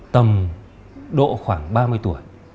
tầm độ khoảng ba mươi tuổi